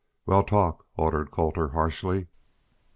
"Wal, talk," ordered Colter, harshly.